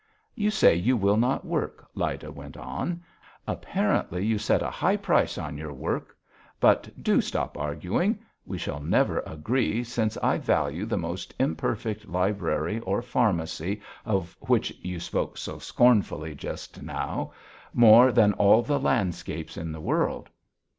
"You say you will not work," Lyda went on. "Apparently you set a high price on your work, but do stop arguing. We shall never agree, since I value the most imperfect library or pharmacy, of which you spoke so scornfully just now, more than all the landscapes in the world."